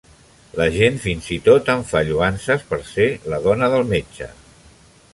La gent fins i tot em fa lloances per ser la dona del metge.